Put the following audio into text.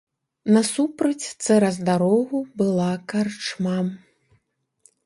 Насупраць цераз дарогу была карчма.